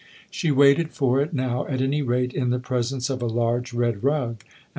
She waited for it now, at any rate, in the presence of a large red rug and.